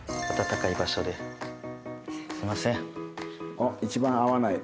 おっ一番合わない。